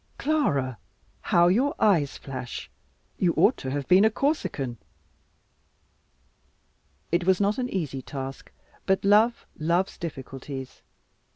Clara, how your eyes flash. You ought to have been a Corsican. It was not an easy task; but love loves difficulties.